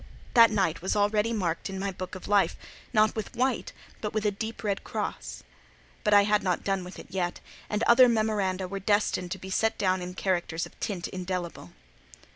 That night was already marked in my book of life, not with white, but with a deep red cross. But I had not done with it yet; and other memoranda were destined to be set down in characters of tint indelible.